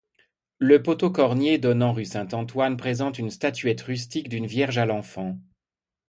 Le poteau cornier donnant rue Saint-Antoine présente une statuette rustique d'une Vierge à l'Enfant.